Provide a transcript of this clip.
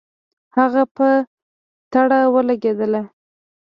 هغه په تړه ولګېدله.